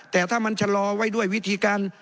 แต่ถ้ามันชะลอไว้ด้วยวิธีการ